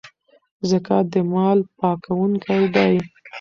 زکات د مال پاکونکی دی.